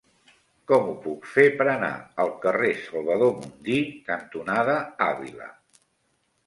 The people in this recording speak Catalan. Com ho puc fer per anar al carrer Salvador Mundí cantonada Àvila?